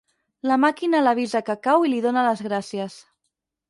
La màquina l'avisa que cau i li dóna les gràcies.